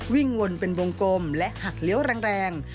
วิ่งวนเป็นวงกลมและหักเลี้ยวแรง